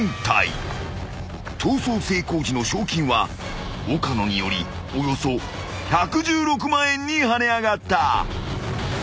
［逃走成功時の賞金は岡野によりおよそ１１６万円に跳ね上がった］